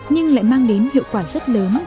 nhưng lại mang đến hiệu quả rất lớn